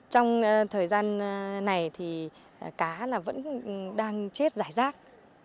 trong thời gian này thì cá vẫn đang chết giải rác